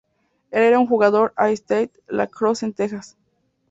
Él era un jugador All-State Lacrosse en Texas.